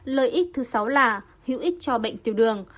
lợi ích thứ sáu là hữu ích cho bệnh tiểu đường